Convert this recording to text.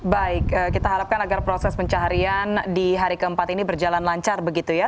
baik kita harapkan agar proses pencaharian di hari keempat ini berjalan lancar begitu ya